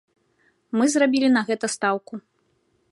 Мы зрабілі на гэта стаўку.